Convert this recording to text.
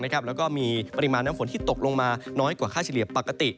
แล้วก็มีปริมาณน้ำฝนที่ตกลงมาน้อยกว่าค่าเฉลี่ยปกติ